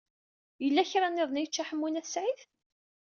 Yella kra niḍen i yečča Ḥemmu n At Sɛid?